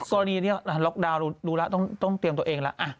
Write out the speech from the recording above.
กรณีนี้ล็อกดาวน์รู้แล้วต้องเตรียมตัวเองแล้ว